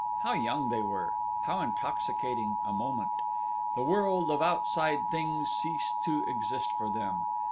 How young they were! How intoxicating, a moment!... The world of outside things ceased to exist for them....